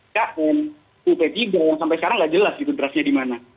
km up tiga sampai sekarang nggak jelas itu draftnya di mana